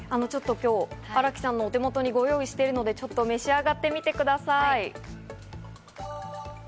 新木さんのお手元に今日ご用意しているので、召し上がってみてください。